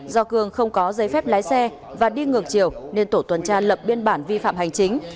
do cường không có giấy phép lái xe và đi ngược chiều nên tổ tuần tra lập biên bản vi phạm hành chính